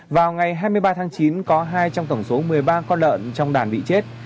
vào ngày hai mươi ba tháng chín có hai trong tổng số một mươi ba con lợn trong đàn bị chết